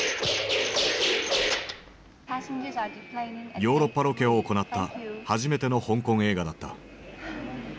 ヨーロッパロケを行った初めての香港映画だった。